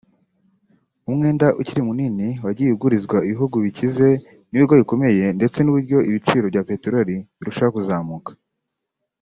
umwenda ukiri munini wagiye ugurizwwa ibihugu bikize n’ibigo bikomeye ndetse n’uburyo ibiciro bya peteroli birushaho kuzamuka